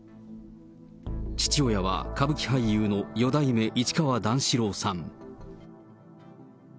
父親は歌舞伎俳優の四代目市川段四郎さん。